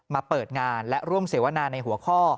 มาเปิดงานและร่วมเสวนาในหัวข้อ